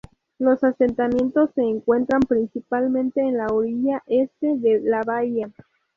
Los asentamientos se encuentran principalmente en la orilla este de la bahía.